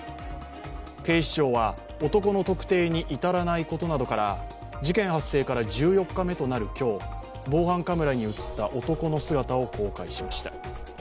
警視庁は、男の特定に至らないことなどから事件発生から１４日目となる今日防犯カメラに映った男の姿を公開しました。